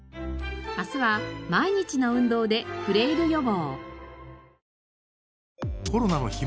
明日は毎日の運動でフレイル予防。